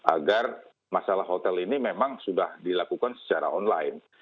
agar masalah hotel ini memang sudah dilakukan secara online